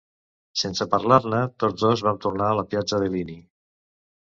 Sense parlar-ne, tots dos vam tornar a la piazza Bellini.